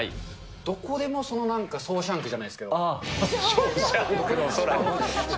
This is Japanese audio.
どこでもなんか、ショーシャンクじゃないですけど。